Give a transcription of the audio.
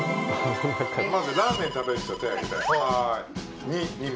まずラーメン食べる人手あげて。